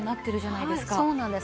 はいそうなんです。